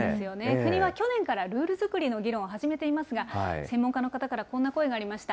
国は去年からルール作りの議論を始めていますが、専門家の方からこんな声がありました。